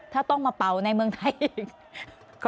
ถ้าต้องมาเป่าในเมืองไทยอีก